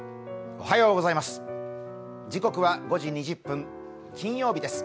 おはようございます。